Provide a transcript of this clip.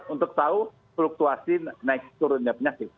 untuk tahu fluktuasi naik turunnya penyakit